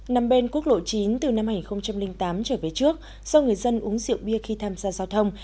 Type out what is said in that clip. nằm bên quốc lộ chín từ năm hai nghìn tám trở về trước do người dân uống rượu bia khi tham gia giao thông